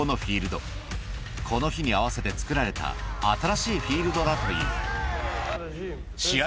この日に合わせてつくられた新しいフィールドだという試合